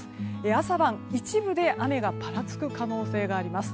朝晩、一部で雨がぱらつく可能性があります。